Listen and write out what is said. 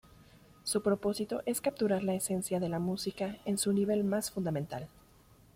Su propósito es capturar la esencia de la música en su nivel más fundamental.